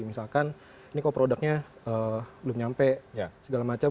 misalkan ini kok produknya belum nyampe segala macam